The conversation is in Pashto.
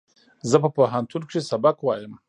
زه په پوهنتون کښې سبق وایم